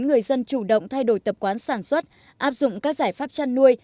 người dân chủ động thay đổi tập quán sản xuất áp dụng các giải pháp chăn nuôi